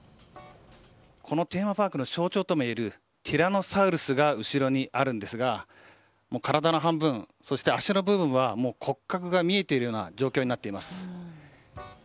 このテーマパークの象徴ともいえるティラノサウルスが後ろにあるんですが体の半分、足の部分は骨格が見えているような状況になっています。